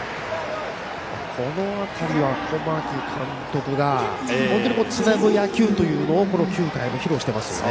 この辺りは小牧監督が本当につなぐ野球をこの９回も披露してますね。